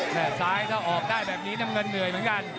ซ้ายก็เอาออกเลยทำงานเหนื่อยเหมือนกัน